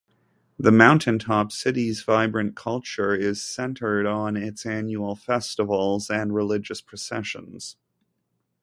The mountaintop city's vibrant culture is centered on its annual festivals and religious processions.